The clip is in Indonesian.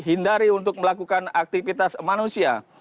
hindari untuk melakukan aktivitas manusia